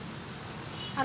mereka itu sebenarnya adaptable